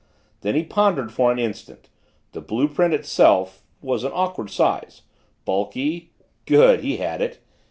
Then he pondered for an instant, the blue print itself was an awkward size bulky good, he had it!